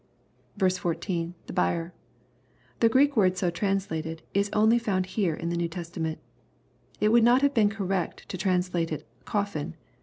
\L — [Th^ hier.l The Greek word so translated, is only found her» in the New Testament. It would not have been correct to trans late it " coffin."